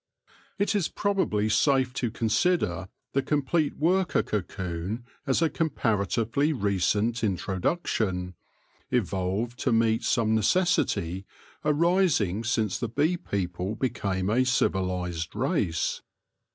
It is probably safe to consider the complete worker cocoon as a comparatively recent introduction, evolved to meet some necessity arising since the bee people became a civilised race.